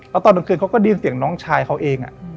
แล้วตอนกลางคืนเขาก็ได้ยินเสียงน้องชายเขาเอง